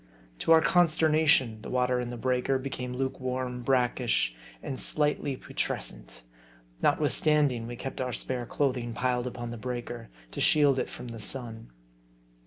To our consternatioc, the water in the breaker became ': 'v. M A R D I. 65 lukewarm, brackish, and slightly putrescent ; notwithstand ing we kept our spare clothing piled upon the breaker, to shield it from the sun.